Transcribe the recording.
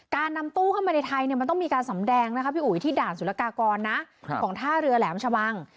การนำตู้เข้ามาในไทยมันต้องมีการสำแดงที่ด่านสุรกากรของท่าเรือแหลมชะวัง